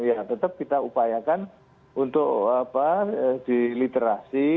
ya tetap kita upayakan untuk diliterasi